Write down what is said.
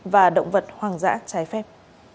và động vật hoàng dã trái phép